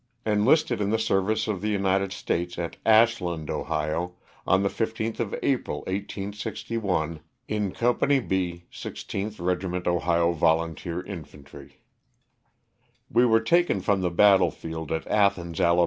Enlisted in the service of the United States at Ashland, Ohio, on the 15th day of April, 1861, in Company B, 16th Regiment Ohio Volunteer Infantry. We were taken from the battle field at Athens, Ala.